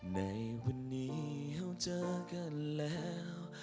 ในวันนี้เขาเจอกันแล้ว